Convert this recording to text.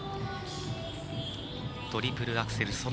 トリプルアクセル